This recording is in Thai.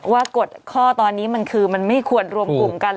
กฎข้อตอนนี้มันคือมันไม่ควรรวมกลุ่มกัน